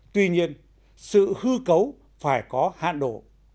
tuy nhiên sự hư cấu phải có hạn độ